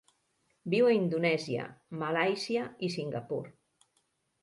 Viu a Indonèsia, Malàisia i Singapur.